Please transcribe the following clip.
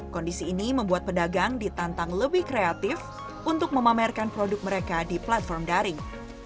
kondisi ini membuat pedagang ditantang lebih kreatif untuk memamerkan produk mereka di platform daring